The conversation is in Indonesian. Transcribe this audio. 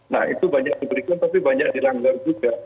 nah itu banyak diberikan tapi banyak dilanggar juga